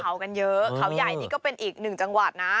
เขากันเยอะเขาใหญ่นี่ก็เป็นอีกหนึ่งจังหวัดนะ